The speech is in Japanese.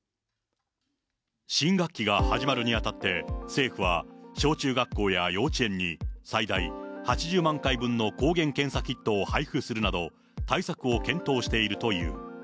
新学期が始まるにあたって、政府は小中学校や幼稚園に、最大８０万回分の抗原検査キットを配布するなど、対策を検討しているという。